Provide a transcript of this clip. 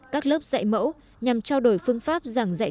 các lớp dạy mẫu nhằm trao đổi phương pháp giảng dạy